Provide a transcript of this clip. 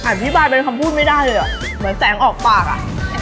อธิบายเป็นคำพูดไม่ได้เลยอ่ะเหมือนแสงออกปากอ่ะ